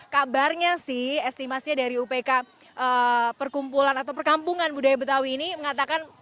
kabarnya sih estimasi dari upk perkumpulan atau perkampungan budaya betawi ini mengatakan